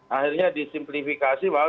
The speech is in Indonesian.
akhirnya disimplifikasi bahwa